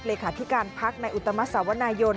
เลขาธิการพักในอุตมสาวนายน